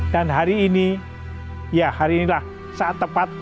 dan hari ini ya hari inilah saat tepat